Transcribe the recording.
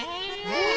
うん。